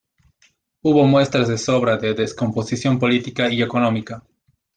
Hubo muestras de sobra de descomposición política y económica.